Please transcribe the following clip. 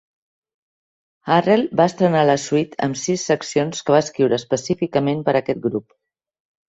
Harrell va estrenar la suite amb sis seccions que va escriure específicament per aquest grup.